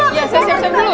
iya saya siap siap dulu